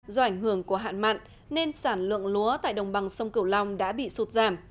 do ảnh hưởng của hạn mặn nên sản lượng lúa tại đồng bằng sông cửu long đã bị sụt giảm